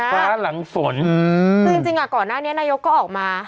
คือจริงอ่ะก่อนหน้านี้นายกก็ออกมา